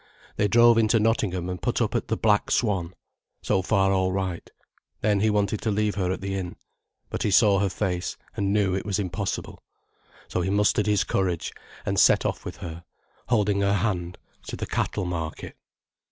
They drove into Nottingham and put up at the "Black Swan". So far all right. Then he wanted to leave her at the inn. But he saw her face, and knew it was impossible. So he mustered his courage, and set off with her, holding her hand, to the cattle market.